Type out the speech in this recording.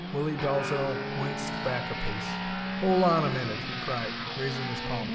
Willie Dalzel winced back a pace. "Hol' on a minute," he cried, raising his palm.